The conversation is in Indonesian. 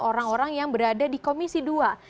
orang orang yang berada di komisi dua